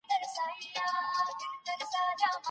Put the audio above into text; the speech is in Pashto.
دلته هم زده کړه ده او هم تفریح.